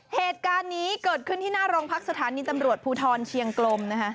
เหตุการณ์นี้เกิดขึ้นที่หน้าโรงพักสถานีตำรวจภูทรเชียงกลมนะคะ